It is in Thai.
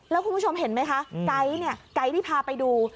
แล้วคุณผู้ชมเห็นไหมคะไก๊ที่พาไปดู